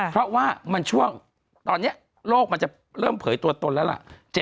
เพราะว่ามันช่วงตอนนี้โลกมันจะเริ่มเผยตัวตนแล้วล่ะ